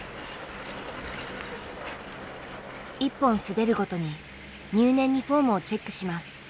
一本滑るごとに入念にフォームをチェックします。